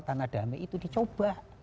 tanah damai itu dicoba